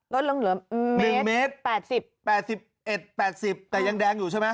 ลดลงเหลือ๑เมตร๘๐๘๑๘๐แต่ยังแดงอยู่ใช่ไหม